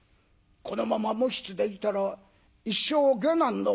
このまま無筆でいたら一生下男のままじゃ」。